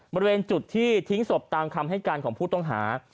บริเวณจุดที่ทิ้งศพตามคำให้การของผู้ต้องหา